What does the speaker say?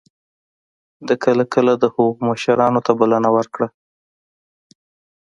ده کله کله د هغوی مشرانو ته بلنه ورکړه.